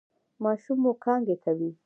ماشوم مو کانګې کوي؟